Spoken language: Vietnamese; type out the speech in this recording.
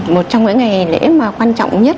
một trong những ngày lễ mà quan trọng nhất